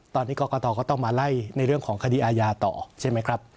ตอนนี้กรกตก็ต้องมาไล่ในเรื่องของคดีอาญาต่อใช่ไหมครับ